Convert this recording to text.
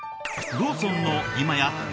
ローソンの今や定番。